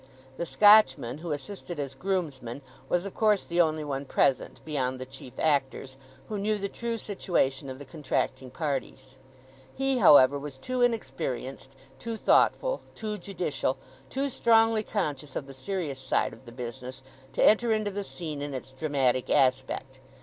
The Scotchman, who assisted as groomsman, was of course the only one present, beyond the chief actors, who knew the true situation of the contracting parties. He, however, was too inexperienced, too thoughtful, too judicial, too strongly conscious of the serious side of the business, to enter into the scene in its dramatic aspect.